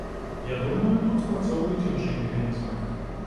Я думаю, тут спрацоўваюць іншыя механізмы.